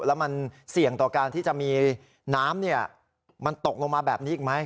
แล้วมันเสี่ยงต่อการที่จะมีน้ำมันตกลงมาแบบนี้อีกไหม